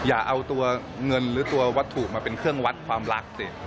อย่าเอาตัวเงินหรือตัววัตถุมาเป็นเครื่องวัดความรักสิ